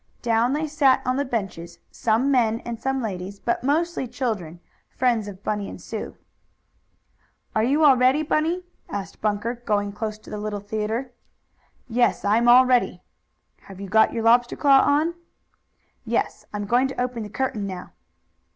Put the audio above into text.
Down they sat on the benches, some men and some ladies, but mostly children, friends of Bunny and Sue. "Are you all ready, Bunny?" asked Bunker, going close to the little theatre. "Yes, I'm all ready." "Have you got your lobster claw on?" "Yes. I'm going to open the curtain now."